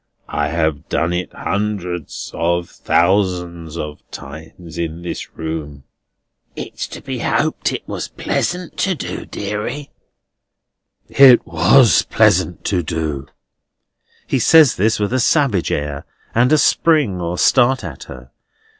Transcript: I have done it hundreds of thousands of times in this room." "It's to be hoped it was pleasant to do, deary." "It was pleasant to do!" He says this with a savage air, and a spring or start at her.